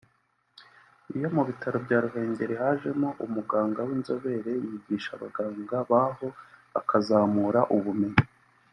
Iyo mu bitaro bya Ruhengeli hajemo umuganga w’inzobere yigisha abaganga b’aho bakazamura ubumenyi